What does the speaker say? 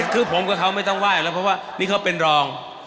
คือผมกับเขาไม่ต้องไหว้แล้วเพราะว่านี่เขาเป็นรอง